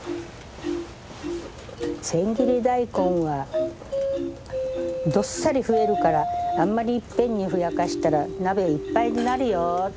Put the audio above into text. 千切り大根はどっさり増えるからあんまりいっぺんにふやかしたら鍋いっぱいになるよって言うてたわ。